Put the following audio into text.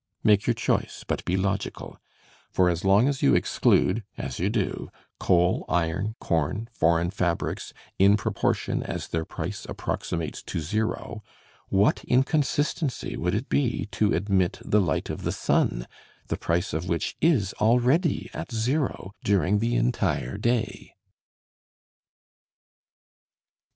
Make your choice, but be logical; for as long as you exclude, as you do, coal, iron, corn, foreign fabrics, in proportion as their price approximates to zero, what inconsistency would it be to admit the light of the sun, the price of which is already at zero during the entire day!